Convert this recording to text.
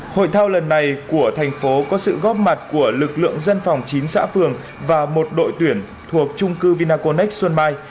hội thao lần này của thành phố có sự góp mặt của lực lượng dân phòng chín xã phường và một đội tuyển thuộc trung cư vinaconex xuân mai